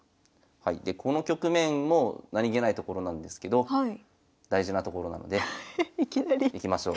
でこの局面も何気ないところなんですけど大事なところなんでいきなり。いきましょう。